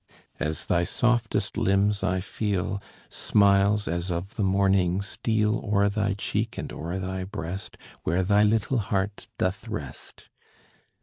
As thy softest limbs I feel, Smiles as of the morning steal O'er thy cheek and o'er thy breast, Where thy little heart doth rest.